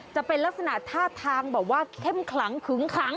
จะเป็นลักษณะท่าทางแบบว่าเข้มขลังขึ้งขัง